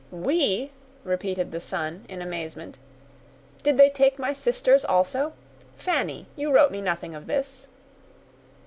"We!" repeated the son, in amazement; "did they take my sisters, also? Fanny, you wrote me nothing of this."